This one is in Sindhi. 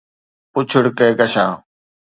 پُڇڙ ڪھڪشان